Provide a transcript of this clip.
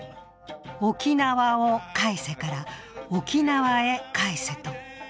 「沖縄を返せ」から「沖縄へ返せ」と。